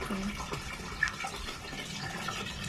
嘉靖五年担任广东惠州府知府。